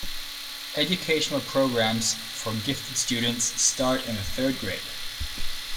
Educational programs for gifted students start in the third grade.